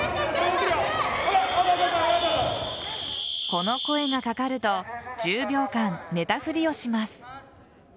この声が掛かると１０秒間、寝た振りをします。